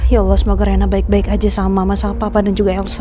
ya allah semoga rena baik baik aja sama mama sama papa dan juga elsa